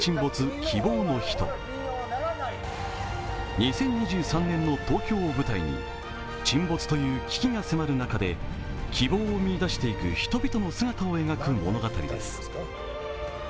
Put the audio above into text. ２０２３年の東京を舞台に沈没という危機が迫る中で希望を見いだしていく人々の姿を描く物語です。